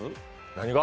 何が？